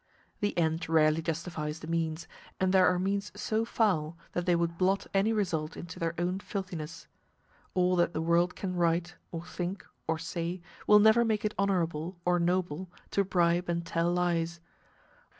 The end rarely justifies the means, and there are means so foul that they would blot any result into their own filthiness. All that the world can write; or think, or say, will never make it honorable or noble to bribe and tell lies.